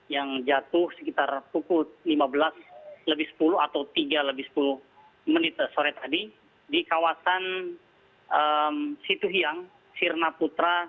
yang jatuh sekitar pukul lima belas lebih sepuluh atau tiga lebih sepuluh menit sore tadi di kawasan situhiang sirna putra